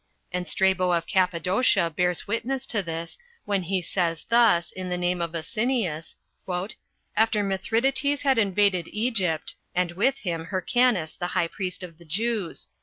And Strabo of Cappadocia bears witness to this, when he says thus, in the name of Aslnius: "After Mithridates had invaded Egypt, and with him Hyrcanus the high priest of the Jews."